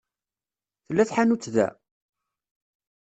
Tella tḥanutt da?